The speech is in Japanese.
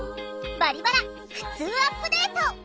「バリバラふつうアップデート」！